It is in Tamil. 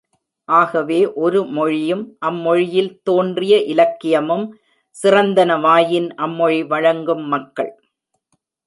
ஆகவே, ஒரு மொழியும், அம்மொழியில் தோன்றிய இலக்கியமும் சிறந்தனவாயின், அம்மொழி வழங்கும் மக்கள்.